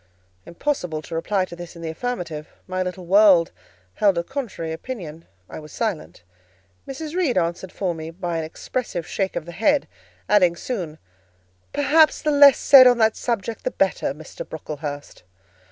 Impossible to reply to this in the affirmative: my little world held a contrary opinion: I was silent. Mrs. Reed answered for me by an expressive shake of the head, adding soon, "Perhaps the less said on that subject the better, Mr. Brocklehurst."